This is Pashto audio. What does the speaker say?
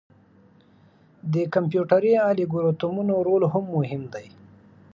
د کمپیوټري الګوریتمونو رول هم مهم دی.